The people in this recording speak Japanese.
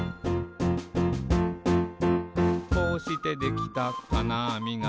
「こうしてできたかなあみが」